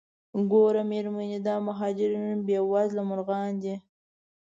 ګوره میرمنې دا مهاجرین بې وزره مرغان دي.